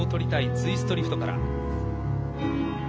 ツイストリフトから。